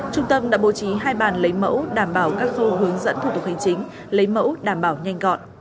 trung tâm đã bố trí hai bàn lấy mẫu đảm bảo các khâu hướng dẫn thủ tục hành chính lấy mẫu đảm bảo nhanh gọn